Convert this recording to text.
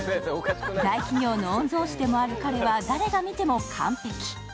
大企業の御曹司でもある彼は誰が見ても完璧。